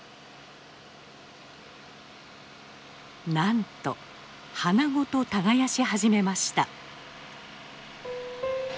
なんと花ごと耕し始めました。